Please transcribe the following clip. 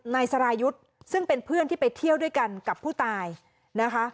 นายสรายุทธ์ซึ่งเป็นเพื่อนที่ไปเที่ยวด้วยกันกับผู้ตายนะคะ